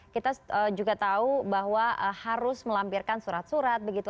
kita juga tahu bahwa harus melampirkan surat surat begitu